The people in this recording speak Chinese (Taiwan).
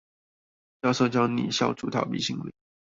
教授教你消除逃避心理